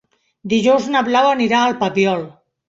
Dijous na Blau anirà al Papiol.